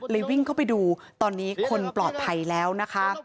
วิ่งเข้าไปดูตอนนี้คนปลอดภัยแล้วนะคะ